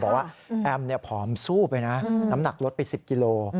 บอกว่าแอมผอมสู้ไปนะน้ำหนักลดไป๑๐กิโล